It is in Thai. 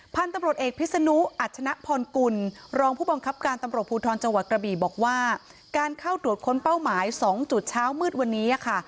พันธุ์ตำรวจเอกพิษนุอัชนะพรกุลรองผู้บังคับการตำรวจภูทรจังหวัดกระบี่บอกว่าการเข้าตรวจค้นเป้าหมาย๒จุดเช้ามืดวันนี้ค่ะ